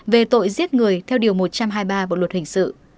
về tội giết người theo điều một trăm hai mươi ba bộ luật hình sự